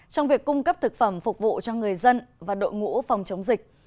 trong việc cung cấp thực phẩm phục vụ cho người dân và đội ngũ phòng chống dịch